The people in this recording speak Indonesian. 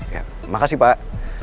ya makasih pak